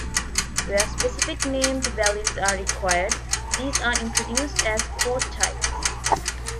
Where specific named values are required, these are introduced as quote types.